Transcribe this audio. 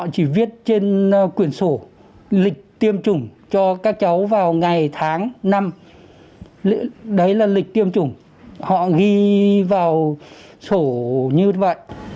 còn khi tiêm là họ không nói họ chỉ tiêm thôi đúng không ạ